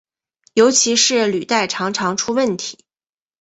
尤其是履带常常出问题。